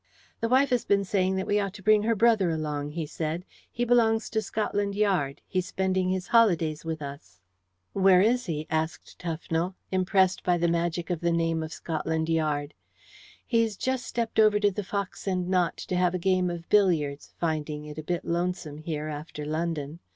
"The wife has been saying that we ought to take her brother along," he said. "He belongs to Scotland Yard. He's spending his holidays with us." "Where is he?" asked Tufnell, impressed by the magic of the name of Scotland Yard. "He's just stepped over to the Fox and Knot to have a game of billiards, finding it a bit lonesome here, after London.